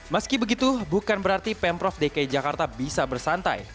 meski begitu bukan berarti pemprov dki jakarta bisa bersantai